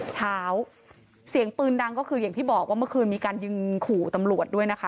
เช้าเสียงปืนดังก็คืออย่างที่บอกว่าเมื่อคืนมีการยิงขู่ตำรวจด้วยนะคะ